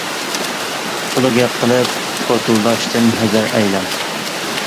تولا گەپ قىلىپ كوتۇلداشتىن ھەزەر ئەيلەڭ.